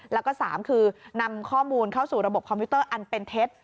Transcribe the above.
แล้วก็๓คือนำข้อมูลเข้าสู่ระบบคอมพิวเตอร์อันเป็นเท็จ